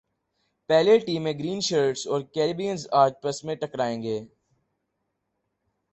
پہلے ٹی میں green shirts اور کیربیئنز اج پس میں ٹکرائیں گے